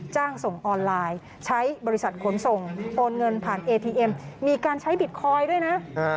ส่งออนไลน์ใช้บริษัทขนส่งโอนเงินผ่านเอทีเอ็มมีการใช้บิตคอยน์ด้วยนะ